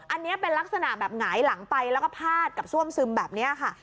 อันนี้เป็นลักษณะแบบหงายหลังไปแล้วก็พาดกับซ่วมซึมแบบนี้ค่ะ